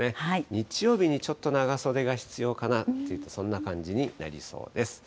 日曜日にちょっと長袖が必要かな、そんな感じになりそうです。